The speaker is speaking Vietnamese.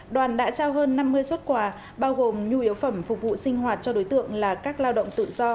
đoàn đã trao hơn năm mươi xuất quà bao gồm nhu yếu phẩm phục vụ sinh hoạt cho đối tượng là các lao động tự do